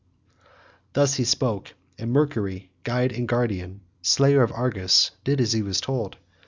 Thus he spoke and Mercury, guide and guardian, slayer of Argus, did as he was told.